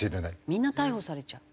みんな逮捕されちゃう。